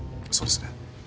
そうですね。